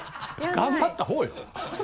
頑張ったほうよ。